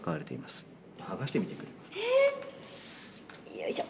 よいしょ。